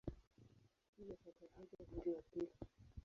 Hivyo tarehe moja mwezi wa pili